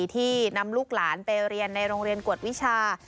ที่นำลูกหลานไปเรียนในโรงเรียนกวดวิชา